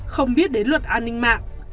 không biết đến luật an ninh mạng